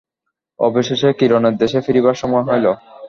অবশেষে কিরণের দেশে ফিরিবার সময় হইল।